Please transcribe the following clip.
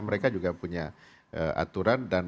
mereka juga punya aturan